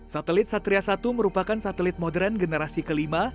satelit satria satu merupakan satelit modern generasi kelima